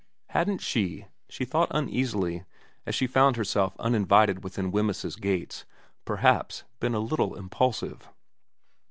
Hadn't she, she thought uneasily as she found herself uninvited within Wemyss's gates, perhaps been a little impulsive